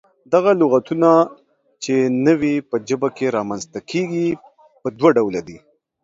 دغه لغتونه چې نوي په ژبه کې رامنځته کيږي، پۀ دوله ډوله دي: